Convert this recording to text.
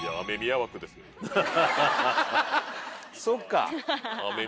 そっか。